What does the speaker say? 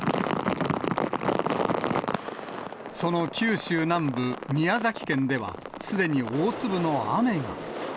その九州南部、宮崎県では、すでに大粒の雨が。